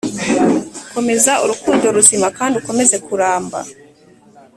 komeza urukundo ruzima kandi ukomeze kuramba.